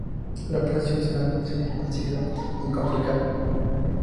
La operación será menos invasiva y complicada.